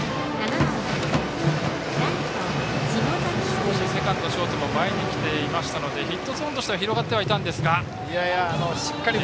少しセカンド、ショートが前にいましたのでヒットゾーンとしては広がっていたんですが。